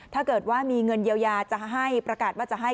ถ้าเกิดว่ามีเงินเยียวยาจะให้ประกาศว่าจะให้